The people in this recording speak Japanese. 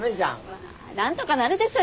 まあ何とかなるでしょ。